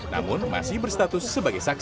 namun masih berstatus sebagai saksi